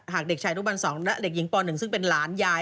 หากเด็กชายนุบัน๒และเด็กหญิงป๑ซึ่งเป็นหลานยาย